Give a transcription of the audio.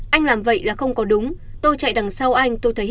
anh làm vậy là không có đúng tôi chạy đằng sau anh tôi thấy hết rồi